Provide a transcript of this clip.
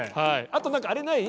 あと何かあれない？